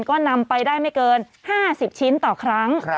ก็นำไปได้ไม่เกิน๕๐ชิ้นต่อครั้ง